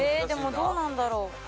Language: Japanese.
でもどうなんだろう？